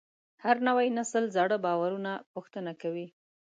هر نوی نسل زاړه باورونه پوښتنه کوي.